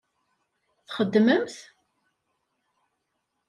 Txeddmemt?